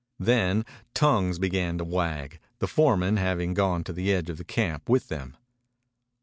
Then tongues began to wag, the foreman having gone to the edge of the camp with them.